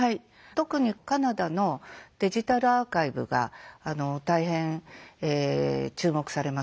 特にカナダのデジタルアーカイブが大変注目されます。